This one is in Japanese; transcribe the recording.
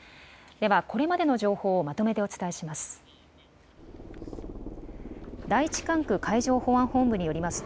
ではこれまでの情報をまとめてお伝えします。